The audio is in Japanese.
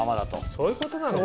そういうことなのか。